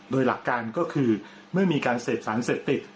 โดยหลักการก็คือเมื่อมีการเสพสารเสพติด